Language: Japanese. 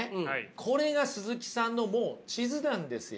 これが鈴木さんのもう地図なんですよ。